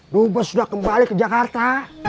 dubas sudah kembali ke jakarta